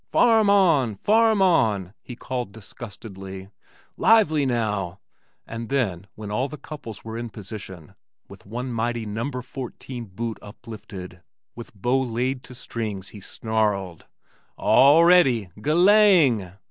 "Farm on, farm on!" he called disgustedly. "Lively now!" and then, when all the couples were in position, with one mighty No. 14 boot uplifted, with bow laid to strings he snarled, "Already GELANG!"